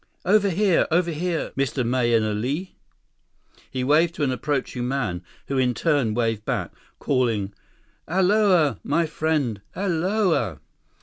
"Over here! Over here, Mr. Mahenili!" He waved to an approaching man who in turn waved back, calling, "Aloha, my friend. Aloha!"